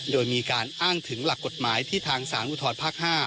โดยมีการอ้างถึงหลักกฎหมายที่ทางสารอุทธรภาค๕